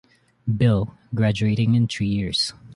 Bill, graduating in three years.